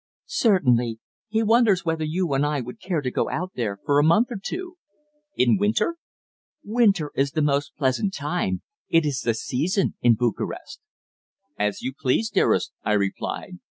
"Certainly. He wonders whether you and I would care to go out there for a month or two?" "In winter?" "Winter is the most pleasant time. It is the season in Bucharest." "As you please, dearest," I replied.